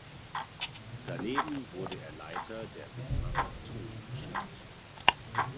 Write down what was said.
Daneben wurde er Leiter der Wismarer Turnanstalt.